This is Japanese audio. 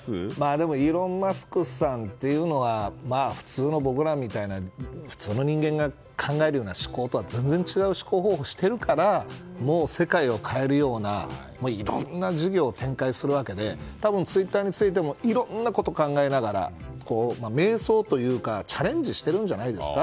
でも、イーロン・マスクさんというのは僕らみたいな普通の人間が考える思考とは全然違う思考をしているから世界を変えるようないろんな事業を展開するわけで多分ツイッターについてもいろんなことを考えながら迷走というかチャレンジをしているんじゃないですか。